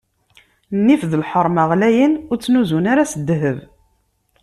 Nnif d lḥerma ɣlayen, ur ttnuzzun ara s ddheb.